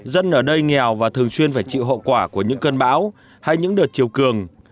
dân ở đây nghèo và thường xuyên phải chịu hậu quả của những cơn bão hay những đợt chiều cường